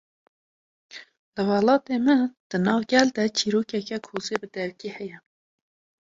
Li welatê me, di nav gel de çîrokeke kozê bi devkî heye